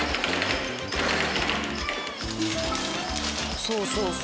そうそうそう。